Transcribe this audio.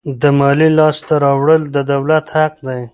د مالیې لاسته راوړل د دولت حق دی.